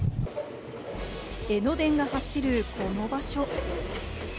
江ノ電が走るこの場所。